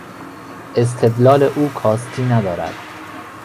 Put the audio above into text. استدلال او کاستی ندارد.